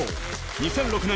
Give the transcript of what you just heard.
２００６年